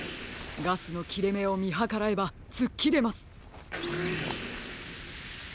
ガスのきれめをみはからえばつっきれます。